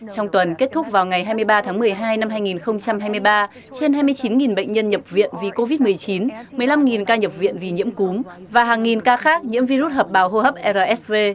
trong tuần kết thúc vào ngày hai mươi ba tháng một mươi hai năm hai nghìn hai mươi ba trên hai mươi chín bệnh nhân nhập viện vì covid một mươi chín một mươi năm ca nhập viện vì nhiễm cúm và hàng nghìn ca khác nhiễm virus hợp bào hô hấp rsv